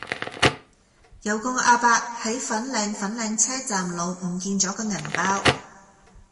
有個亞伯喺粉嶺粉嶺車站路唔見左個銀包